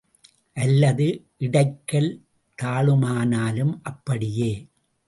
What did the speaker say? அல்லது இடைக்கல் தாழுமானாலும் அப்படியே!